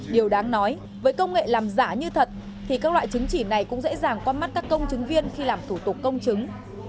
điều đáng nói với công nghệ làm giả như thật thì các loại chứng chỉ này cũng dễ dàng qua mắt các công chứng viên khi làm thủ tục công chứng